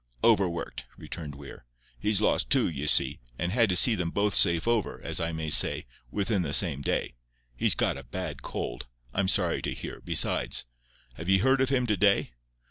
"Overworked," returned Weir. "He's lost two, ye see, and had to see them both safe over, as I may say, within the same day. He's got a bad cold, I'm sorry to hear, besides. Have ye heard of him to day?"